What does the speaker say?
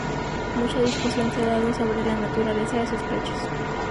Mucha discusión se ha dado sobre la naturaleza de sus pechos.